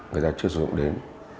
người ta chưa sử dụng đến